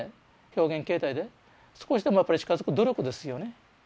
表現形態で少しでもやっぱり近づく努力ですよね。